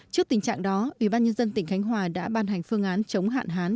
trước tình trạng đó ủy ban nhân dân tỉnh khánh hòa đã ban hành phương án chống hạn hán